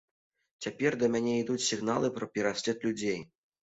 Цяпер да мяне ідуць сігналы пра пераслед людзей.